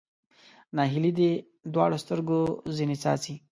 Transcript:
ناهیلي دې دواړو سترګو ځنې څاڅي